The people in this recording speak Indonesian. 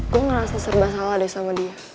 gue ngerasa serba salah deh sama dia